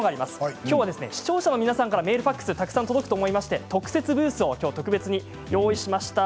今日は視聴者の皆さんからメール、ファックスがたくさん届くと思って、特設ブースを今日、特別に用意しました。